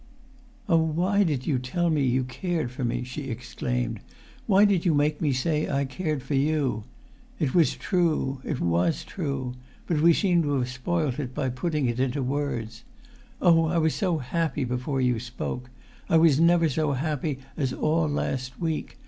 "Oh, why did you tell me you cared for me?" she exclaimed. "Why did you make me say I cared for you? It was true—it was true—but we seem to have spoilt it by putting it into words. Oh, I was so happy before you spoke! I never was so happy as all last week.